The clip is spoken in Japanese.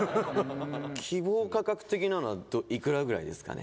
希望価格的なのはいくらぐらいですかね？